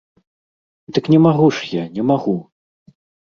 Дык не магу ж я, не магу!